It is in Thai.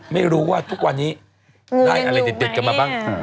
ไม่รู้ว่าทุกวันนี้ได้อะไรเด็ดกันมาบ้าง